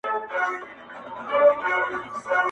ملالۍ دغه غیرت وو ستا د وروڼو؟-